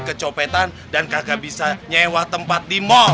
kecopetan dan kagak bisa nyewa tempat di mall